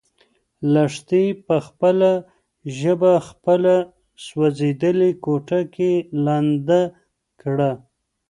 لښتې په خپله ژبه خپله سوځېدلې ګوته لنده کړه.